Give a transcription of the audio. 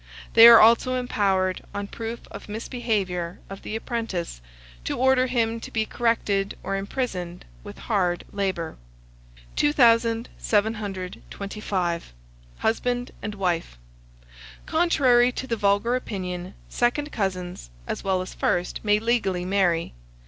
They are also empowered, on proof of misbehaviour of the apprentice, to order him to be corrected or imprisoned with hard labour. 2725. HUSBAND AND WIFE. Contrary to the vulgar opinion, second cousins, as well as first, may legally marry.